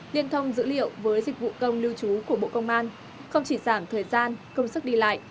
liên thông dữ liệu với dịch vụ công lưu trú của bộ công an không chỉ giảm thời gian công sức đi lại